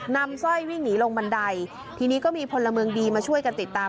สร้อยวิ่งหนีลงบันไดทีนี้ก็มีพลเมืองดีมาช่วยกันติดตาม